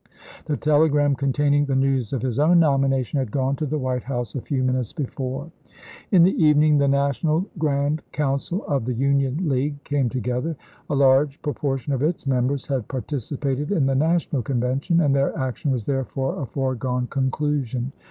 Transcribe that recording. The telegram containing the news of his own nomination had gone to the White House a few minutes before. In the evening the National Grrand Council of the Union League came together. A large propor tion of its members had participated in the Na tional Convention, and their action was therefore a foregone conclusion.